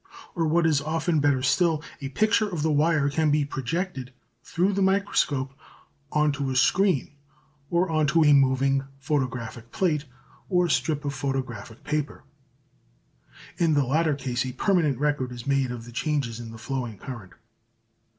Or what is often better still, a picture of the wire can be projected through the microscope on to a screen or on to a moving photographic plate or strip of photographic paper. In the latter case a permanent record is made of the changes in the flowing current.